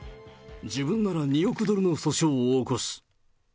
自分なら２億ドルの訴訟を起こす。